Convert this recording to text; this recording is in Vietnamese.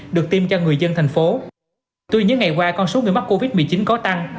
được tiêm cho người dân thành phố tuy những ngày qua con số người mắc covid một mươi chín có tăng